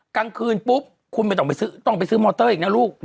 กลางคืนปุ๊บคุณไม่ต้องไปซื้อมอเตอร์อีกนะลูก